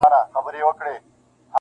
یار نوشلی یې په نوم دمیو جام دی-